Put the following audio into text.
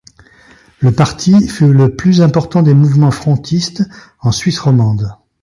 Le parti fut le plus important des mouvements frontistes en Suisse romande.